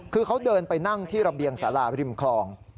คือเขาเดินไปนั่งที่ระเบียงสาราบริมคลอง